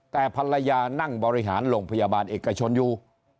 แต่ภรรยานั่งบริหารโรงพยาบาลเอกชนอยู่